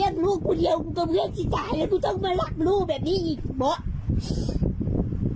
ก็พูดแบบนี้อีกบ๊อก